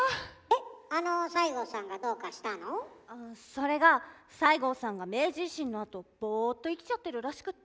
それが西郷さんが明治維新のあとボーっと生きちゃってるらしくって。